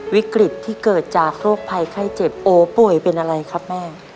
วิกฤตที่เกิดจากโรคภัยไข้เจ็บโอป่วยเป็นอะไรครับแม่